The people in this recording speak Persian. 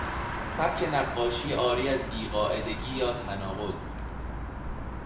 سبک نقاشی عاری از بیقاعدگی یا تناقض